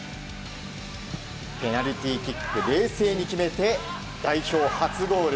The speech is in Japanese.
ペナルティーキックを冷静に決めて代表初ゴール。